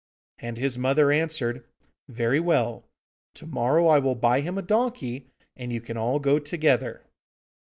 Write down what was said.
And his mother answered, 'Very well; to morrow I will buy him a donkey, and you can all go together.